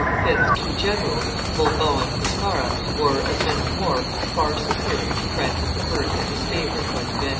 's two generals, Bourbon and Pescara, were, as men of war, far superior to Francis I. and his favorite Bonnivet.